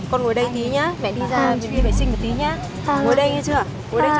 ngồi đây nghe chưa